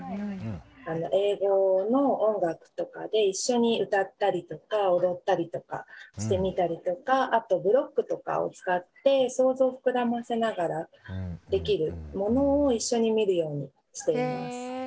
英語の音楽とかで一緒に歌ったりとか踊ったりとかしてみたりとかあとブロックとかを使って想像を膨らませながらできるものを一緒に見るようにしています。